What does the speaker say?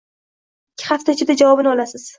Ikki hafta ichida javobini olasiz.